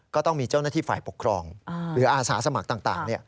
ก็ต้องมีเจ้าหน้าที่ฝ่ายปกครองหรืออาสาสมัครต่าง